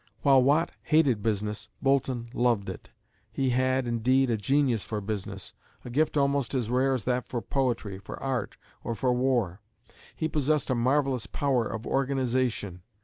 While Watt hated business, Boulton loved it. He had, indeed, a genius for business a gift almost as rare as that for poetry, for art, or for war. He possessed a marvellous power of organisation.